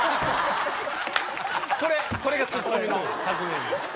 これがツッコミの革命児。